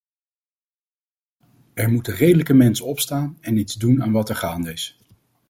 Er moeten redelijke mensen opstaan en iets doen aan wat er gaande is.